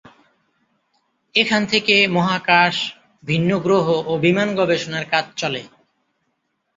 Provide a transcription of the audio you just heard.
এখান থেকে মহাকাশ, ভিন্ন গ্রহ ও বিমান গবেষণার কাজ চলে।